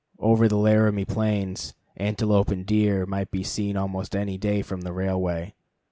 Over the Laramie plains, antelope and deer might be seen almost any day from the railway.